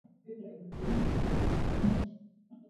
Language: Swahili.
na hiki marekani na kuzalisha swahili blue